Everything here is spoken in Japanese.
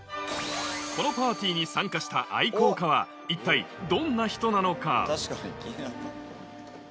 このパーティーに参加した愛好家は一体どんな人なのか？